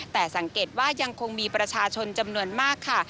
แต่สังเกตว่ายังคงมีประชาชนจำนวนมากค่ะ